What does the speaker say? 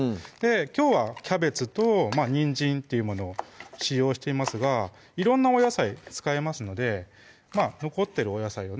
きょうはキャベツとにんじんっていうものを使用していますが色んなお野菜使えますので残ってるお野菜をね